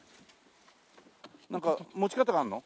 なんか持ち方があるの？